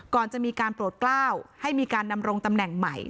ก่อนจะมีการโปรดกล้าวให้มีการดำรงตำแหน่งใหม่